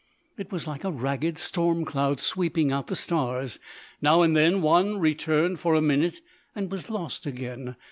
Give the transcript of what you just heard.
It was like a ragged storm cloud sweeping out the stars. Now and then one returned for a minute, and was lost again.